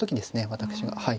私が。